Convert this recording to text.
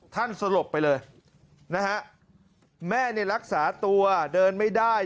สลบไปเลยนะฮะแม่เนี่ยรักษาตัวเดินไม่ได้